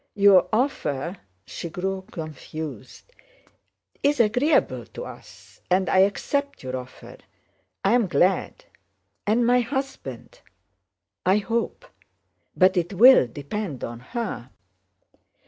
"Your offer..." (she grew confused) "is agreeable to us, and I accept your offer. I am glad. And my husband... I hope... but it will depend on her...."